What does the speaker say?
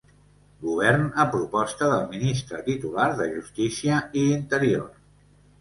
Govern a proposta del Ministre titular de Justícia i Interior.